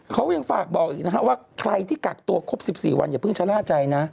เขายังฝากบอกอีกนะฮะว่าใครที่กักตัวครบ๑๔วันอย่าเพิ่งชะล่าใจนะ